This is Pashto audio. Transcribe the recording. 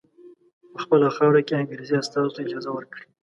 په خپله خاوره کې انګریزي استازو ته اجازه ورکړي.